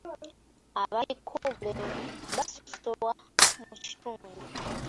Abaliko obulemu basosolwa mu kitundu.